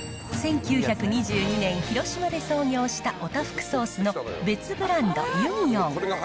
１９２２年、広島で創業したオタフクソースの別ブランド、ユニオン。